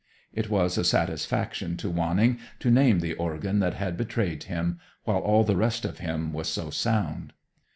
It was a satisfaction to Wanning to name the organ that had betrayed him, while all the rest of him was so sound.